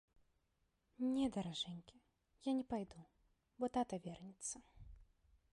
Не, даражэнькі, я не пайду, бо тата вернецца.